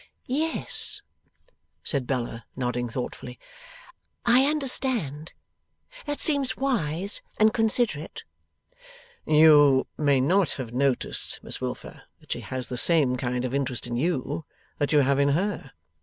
'Yes,' said Bella, nodding thoughtfully; 'I understand. That seems wise, and considerate.' 'You may not have noticed, Miss Wilfer, that she has the same kind of interest in you, that you have in her.